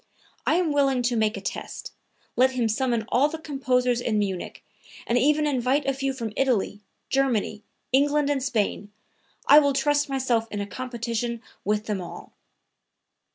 I am willing to make a test; let him summon all the composers in Munich, and even invite a few from Italy, Germany, England and Spain; I will trust myself in a competition with them all."